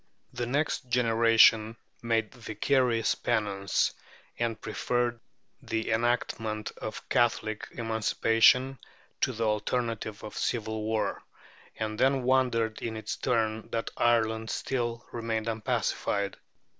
The next generation made vicarious penance, and preferred the enactment of Catholic emancipation to the alternative of civil war; and then wondered in its turn that Ireland still remained unpacified.